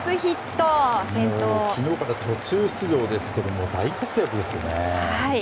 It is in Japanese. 昨日から途中出場ですけども大活躍ですよね。